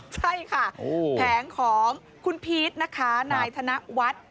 ใช่ค่ะแผงของคุณพีชนายธนวัติ